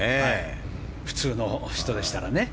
普通の人でしたらね。